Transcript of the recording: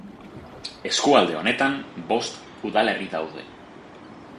Eskualde honetan bost udalerri daude.